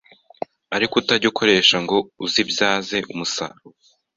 ariko utajya ukoresha ngo uzibyaze umusaruro